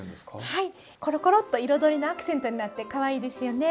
はいころころっと彩りのアクセントになってかわいいですよね。